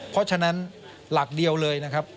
เพราะฉะนั้นหลักเดียวเลยนะครับ